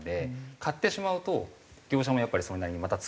買ってしまうと業者もやっぱりそれなりにまた作ってくるので。